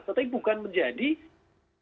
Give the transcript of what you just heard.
tetapi bukan menjadi kewajiban bahwa kita harus keluar